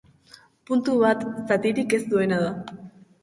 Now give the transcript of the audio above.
Puntu bat zatirik ez duena da.